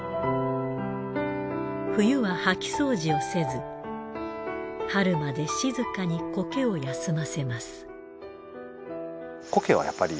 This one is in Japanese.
冬は掃き掃除をせず春まで静かに苔を休ませます。